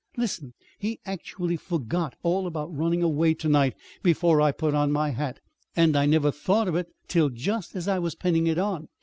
Listen! He actually forgot all about running away to night before I put on my hat. And I never thought of it till just as I was pinning it on.